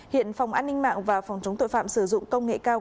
hiện phòng an ninh mạng và phòng chống tội phạm sử dụng công nghệ cao